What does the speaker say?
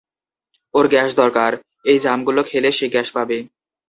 ওর gas দরকার, এই জামগুলো খেলে সে গ্যাস পাবে।